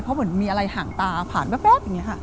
เพราะเหมือนมีอะไรห่างตาผ่านแป๊บอย่างนี้ค่ะ